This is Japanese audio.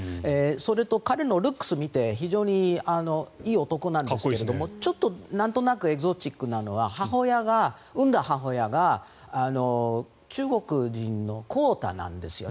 それと、彼のルックスを見て非常にいい男なんですけどもちょっとなんとなくエキゾチックなのは生んだ母親が中国人のクオーターなんですよ。